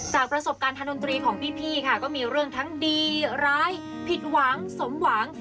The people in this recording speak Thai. จากประสบการณ์ทางดนตรีของพี่ค่ะก็มีเรื่องทั้งดีร้ายผิดหวังสมหวัง